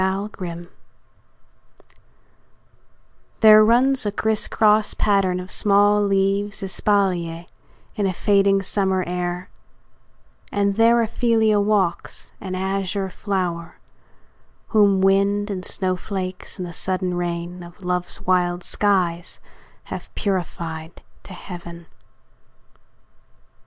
OPHELIA There runs a crisscross pattern of small leaves Espalier, in a fading summer air, And there Ophelia walks, an azure flower, Whom wind, and snowflakes, and the sudden rain Of love's wild skies have purified to heaven.